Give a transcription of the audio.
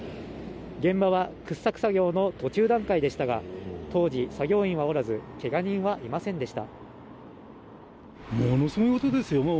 現場は掘削作業の途中段階でしたが当時作業員はおらずけが人はいませんでした